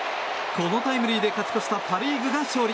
このタイムリーで勝ち越したパ・リーグが勝利。